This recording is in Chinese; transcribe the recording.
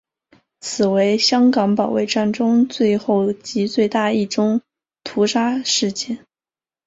此为香港保卫战中最后及最大一宗屠杀事件。